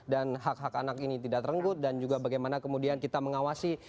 dan hak hak anak ini tidak terenggut dan juga bagaimana kemudian kita mengawasi